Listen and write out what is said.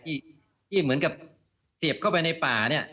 ที่เหมือนกับเสียบเข้าไปในป่าเนี่ย